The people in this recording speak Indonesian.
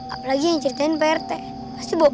apalagi yang diceritain prt pasti bohong